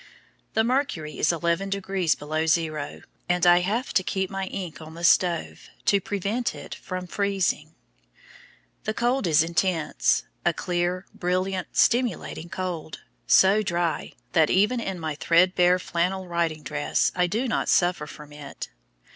The mercury is eleven degrees below zero, and I have to keep my ink on the stove to prevent it from freezing. The cold is intense a clear, brilliant, stimulating cold, so dry that even in my threadbare flannel riding dress I do not suffer from it.